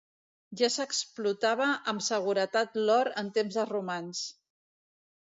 Ja s'explotava amb seguretat l'or en temps dels romans.